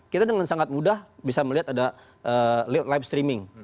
kita dengan sangat mudah bisa melihat ada live streaming